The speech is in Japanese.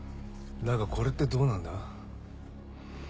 だがこれってどうなんだ？